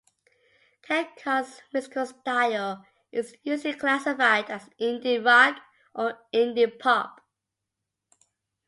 Kettcar's musical style is usually classified as indie rock or indie pop.